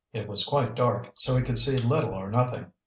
It was quite dark, so he could see little or nothing.